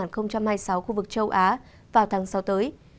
khu vực châu á vào tháng sáu tới